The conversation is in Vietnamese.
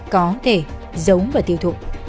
có thể giống và tiêu thụ